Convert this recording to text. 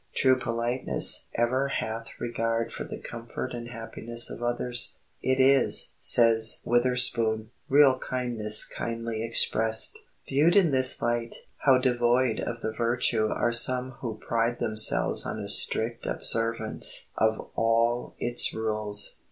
True politeness ever hath regard for the comfort and happiness of others. "It is," says Witherspoon, "real kindness kindly expressed." Viewed in this light, how devoid of the virtue are some who pride themselves on a strict observance of all its rules!